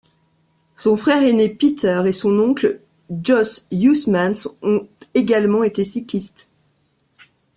Son frère aîné Peter et son oncle Jos Huysmans ont également été cyclistes.